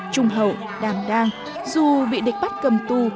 trung hậu đàng đàng dù bị địch bắt cầm tu